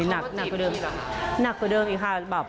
เจอที่พี่เหรอนักกว่าเดิมอีก